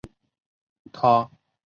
他毕业于圣公会诸圣小学。